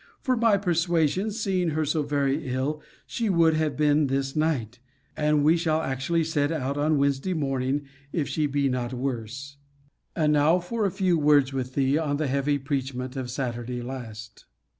for my persuasions, seeing her so very ill, she would have been this night; and we shall actually set out on Wednesday morning, if she be not worse. And now for a few words with thee, on the heavy preachment of Saturday last.